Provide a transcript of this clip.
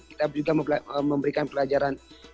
kita juga memberikan pelajaran